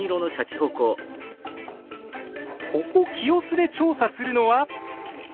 ここ清須で調査するのは。